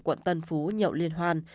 quận tân phú nhậu liên hoan